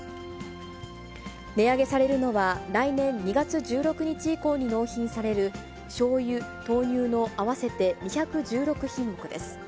値上げされるのは、来年２月１６日以降に納品される、しょうゆ、豆乳の合わせて２１６品目です。